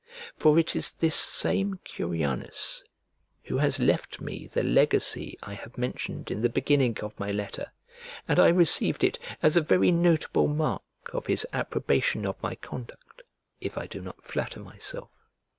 For it is this same Cunianus who has left me the legacy I have mentioned in the beginning of my letter, and I received it as a very notable mark of his approbation of my conduct, if I do not flatter myself.